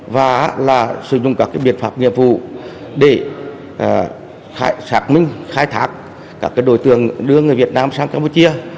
và sử dụng các biện pháp nghiệp vụ để xác minh khai thác các đối tượng đưa người việt nam sang campuchia